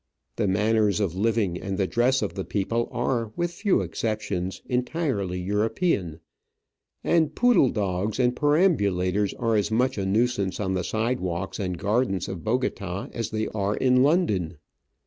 The manners of living and the dress of the people are with few exceptions entirely European, and poodle dogs and perambulators are as much a nuisance on the side walks and gardens of Bogota as they are in London.